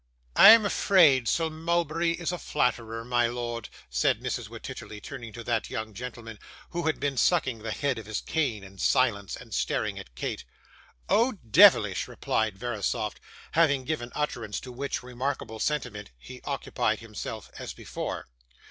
'I am afraid Sir Mulberry is a flatterer, my lord,' said Mrs. Wititterly, turning to that young gentleman, who had been sucking the head of his cane in silence, and staring at Kate. 'Oh, deyvlish!' replied Verisopht. Having given utterance to which remarkable sentiment, he occupied himself as before.